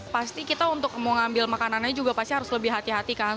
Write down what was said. pasti kita untuk mau ngambil makanannya juga pasti harus lebih hati hati kan